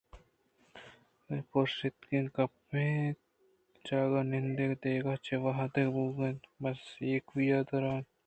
اے پرٛشتگ ءُکپتگیں جاگہءَ نندگ ءِ دگہ چے واہگ بوت کنت ؟بس ایوک ءَ اِدا نندگ